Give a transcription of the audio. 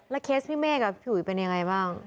เคสพี่เมฆกับพี่อุ๋ยเป็นยังไงบ้าง